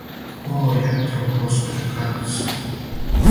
"О, јетрво, госпођо краљице!"